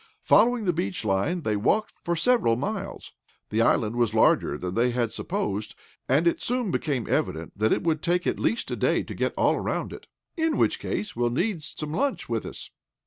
Following the beach line, they walked for several miles. The island was larger than they had supposed, and it soon became evident that it would take at least a day to get all around it. "In which case we will need some lunch with us."